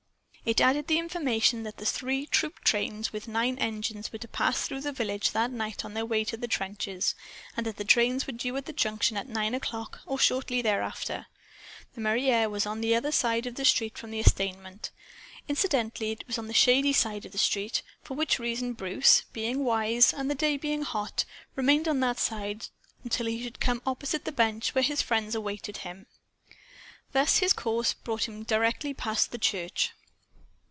It added the information that three troop trains with nine engines were to pass through the village that night on their way to the trenches, and that the trains were due at the junction at nine o'clock or shortly thereafter. The mairie was on the other side of the street from the estaminet. Incidentally, it was on the shady side of the street for which reason Bruce, being wise, and the day being hot, remained on that side, until he should come opposite the bench where his friends awaited him. His course, thus, brought him directly past the church.